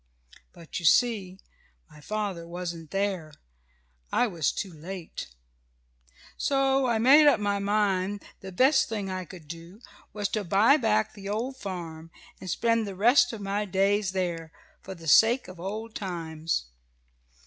But you see my father wasn't there. I was too late. "So I made up my mind the best thing I could do was to buy back the old farm, and spend the rest of my days there, for the sake of old times.